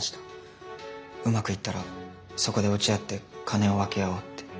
うまくいったらそこで落ち合って金を分け合おうって。